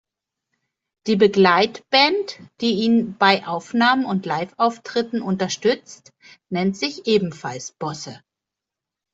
Die Begleitband, die ihn bei Aufnahmen und Live-Auftritten unterstützt, nennt sich ebenfalls "Bosse".